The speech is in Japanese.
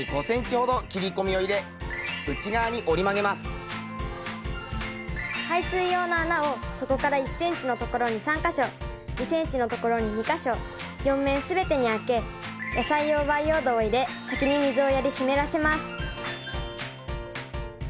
小さいので排水用の穴を底から１ｃｍのところに３か所２ｃｍのところに２か所４面全てにあけ野菜用培養土を入れ先に水をやり湿らせます。